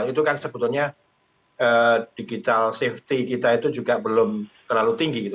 itu kan sebetulnya digital safety kita itu juga belum terlalu tinggi gitu